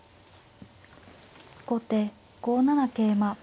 後手５七桂馬。